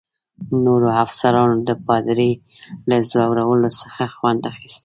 نورو افسرانو د پادري له ځورولو څخه خوند اخیست.